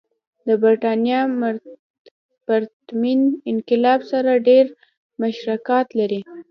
د برېټانیا پرتمین انقلاب سره ډېر مشترکات لري.